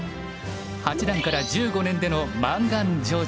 八段から１５年での満願成就。